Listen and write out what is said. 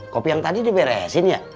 kopi yang tadi diberesin ya